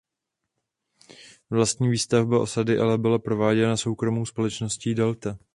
Vlastní výstavba osady ale byla prováděna soukromou společností Delta.